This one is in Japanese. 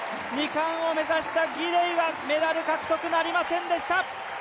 ２冠を目指したギデイはメダル獲得なりませんでした。